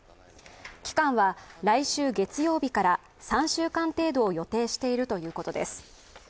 期間は来週月曜日から３週間程度を予定しているということです。